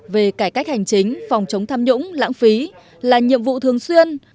về cải cách hành chính phòng chống tham nhũng lãng phí là nhiệm vụ thường xuyên